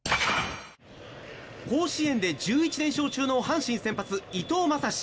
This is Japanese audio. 甲子園で１１連勝中の阪神先発伊藤将司。